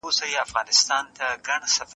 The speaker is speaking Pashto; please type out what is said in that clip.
او معاونيت کي تأييد سوه.